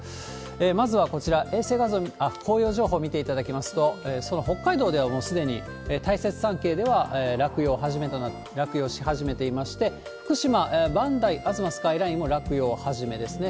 まずはこちら、紅葉情報見ていただきますと、その北海道では、もうすでに大雪山系では落葉し始めていまして、福島・磐梯吾妻スカイラインも落葉初めですね。